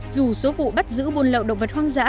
dù số vụ bắt giữ buôn lậu động vật hoang dã